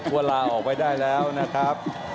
ว่าลาออกไปได้แล้วนะครับ